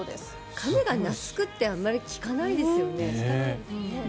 亀が懐くってあまり聞かないですよね。